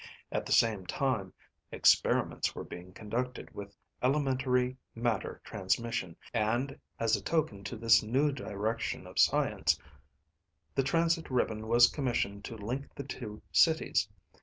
At the same time, experiments were being conducted with elementary matter transmission, and as a token to this new direction of science, the transit ribbon was commissioned to link the two cities.